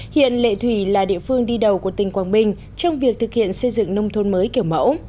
hiện lệ thủy là địa phương đi đầu của tỉnh quảng bình trong việc thực hiện xây dựng nông thôn mới kiểu mẫu